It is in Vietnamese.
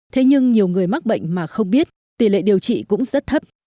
thế nhưng nhiều người mắc bệnh mà không biết tỷ lệ điều trị cũng rất thấp